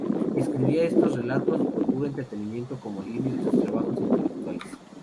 Escribía estos relatos por puro entretenimiento, como alivio de sus trabajos intelectuales.